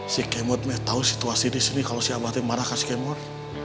si kemot tau situasi disini kalo si abah marah kan si kemot